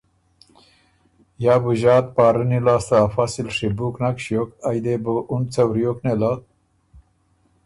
یا بُو ݫات بارني لاسته ا فصِل ڒیبُوک نک ݭیوک، ائ دې بو اُن څه وریوک نېله۔